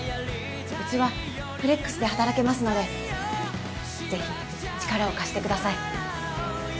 うちはフレックスで働けますのでぜひ力を貸してください